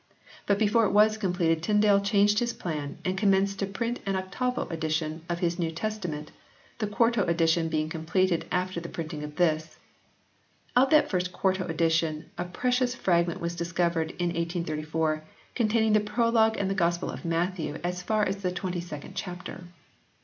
But before it was completed Tyndale changed his plan and commenced to print an octavo edition of his New Testament, the quarto edition being completed after the printing of this. Of that first quarto edition a precious fragment was discovered in 1834, con taining the prologue and the Gospel of Matthew as far as the 22nd chapter.